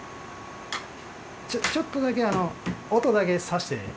ちょっとだけ音だけさしてええ？